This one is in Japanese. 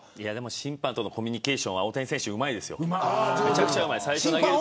審判とのコミュニケーションは大谷選手はうまいですよ。